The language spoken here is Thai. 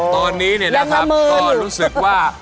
ตอนนี้หลังจากรู้สึกว่า